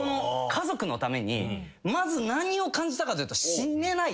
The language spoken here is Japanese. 家族のためにまず何を感じたかというと死ねない。